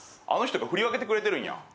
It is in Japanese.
あの人が振り分けてくれてるんや。